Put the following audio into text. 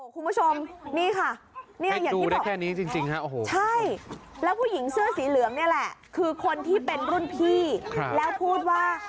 คุณผู้ชมนี่ค่ะแล้วผู้หญิงเสื้อสีเหลืองนี่แหละคือคนที่เป็นรุ่นพี่แล้วพูดว่า